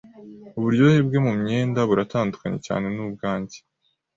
Uburyohe bwe mumyenda buratandukanye cyane nubwanjye.